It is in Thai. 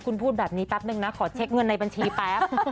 คุณพูดแบบนี้แป๊บนึงนะขอเช็คเงินในบัญชีแป๊บ